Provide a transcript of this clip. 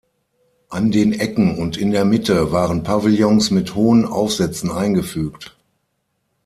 An den Ecken und in der Mitte waren Pavillons mit hohen Aufsätzen eingefügt.